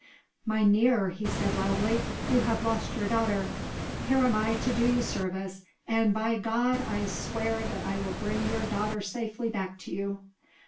"Mynheer!" he said loudly, "you have lost your daughter. Here am I to do you service, and by God I swear that I will bring your daughter safely back to you."